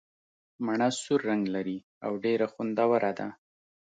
مڼه سور رنګ لري او ډېره خوندوره ده.